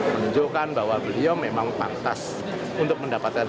menunjukkan bahwa beliau memang pantas untuk mendapatkan